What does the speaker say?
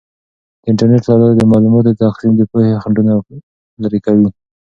د انټرنیټ له لارې د معلوماتو تقسیم د پوهې خنډونه لرې کوي.